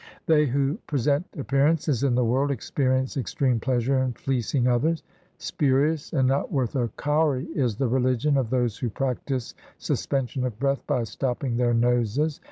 They who present appearances to the world, Experience extreme pleasure in fleecing 2 others. Spurious, and not worth a kauri, is the religion Of those who practise suspension of breath by stopping their noses.